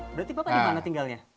berarti bapak dimana tinggalnya